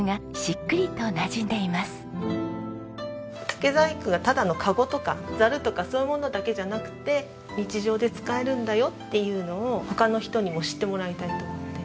竹細工がただのカゴとかザルとかそういうものだけじゃなくて日常で使えるんだよっていうのを他の人にも知ってもらいたいと思って。